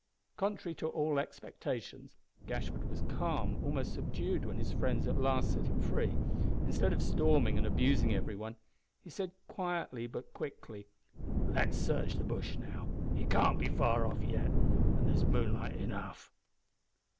Contrary to all expectations, Gashford was calm, almost subdued, when his friends at last set him free. Instead of storming and abusing every one, he said quietly but quickly, "Let us search the bush now. He can't be far off yet, and there's moonlight enough."